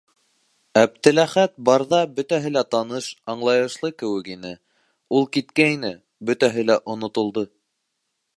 Әптеләхәт барҙа бөтәһе лә таныш, аңлайышлы кеүек ине, ул киткәйне - бөтәһе лә онотолдо.